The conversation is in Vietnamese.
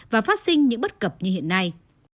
và phát sinh những bất cập như hiện nay